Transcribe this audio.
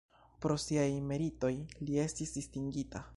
Pro siaj meritoj li estis distingita.